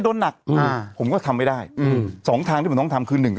โดนหนักอ่าผมก็ทำไม่ได้อืมสองทางที่ผมต้องทำคือหนึ่ง